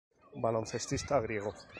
Baloncestista griego.